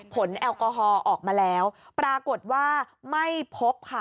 แอลกอฮอล์ออกมาแล้วปรากฏว่าไม่พบค่ะ